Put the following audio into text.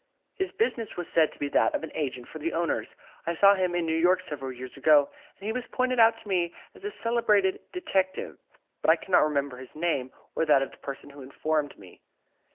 "His business was said to be that of an agent for the owners. I saw him in New York several years ago, and he was pointed out to me as a celebrated detective, but I cannot remember his name, or that of the person who informed me.